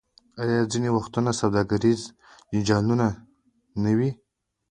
آیا ځینې وختونه سوداګریز جنجالونه نه وي؟